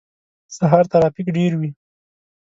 سهار ترافیک ډیر وی